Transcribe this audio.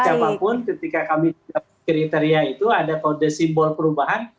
siapapun ketika kami dapat kriteria itu ada kode simbol perubahan